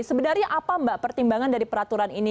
sebenarnya apa mbak pertimbangan dari peraturan ini